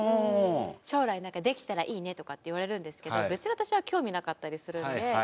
「将来できたらいいね」とかって言われるんですけど別に私は興味なかったりするんで。